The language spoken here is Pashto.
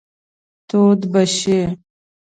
تود به شئ.